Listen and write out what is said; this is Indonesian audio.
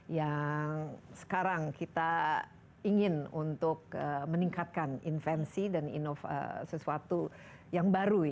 yang sekarang kita ingin untuk meningkatkan invensi dan sesuatu yang baru